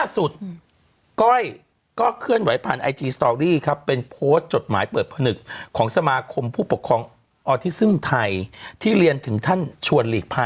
ซึ่งมันก็เป็นประโยชน์ใหญ่ในโรคโซเชียลเลยแหละ